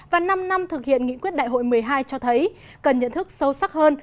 và năm năm thực hiện nghị quyết đại hội một mươi hai cho thấy cần nhận thức sâu sắc hơn